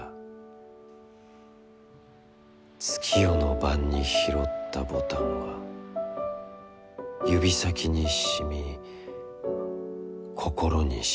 月夜の晩に、拾ったボタンは指先に沁み、心に沁みた。